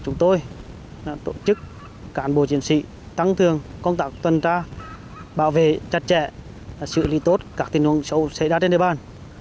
chúng tôi tổ chức cán bộ chiến sĩ tăng cường công tác tuần tra bảo vệ chặt chẽ xử lý tốt các tình huống xấu xảy ra trên địa bàn